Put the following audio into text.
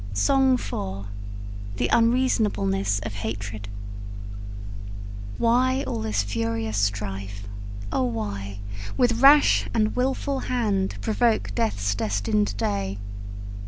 SONG IV. THE UNREASONABLENESS OF HATRED. Why all this furious strife? Oh, why With rash and wilful hand provoke death's destined day?